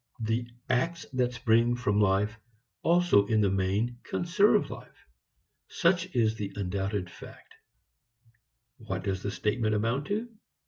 The acts that spring from life also in the main conserve life. Such is the undoubted fact. What does the statement amount to?